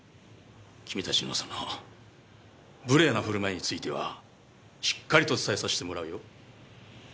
君たちのその無礼な振る舞いについてはしっかりと伝えさせてもらうよ。